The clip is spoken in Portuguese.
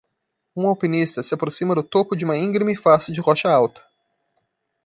Um alpinista se aproxima do topo de uma íngreme face de rocha alta.